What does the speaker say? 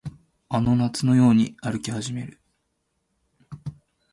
あの夏のように歩き始める